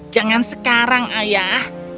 jangan sekarang ayah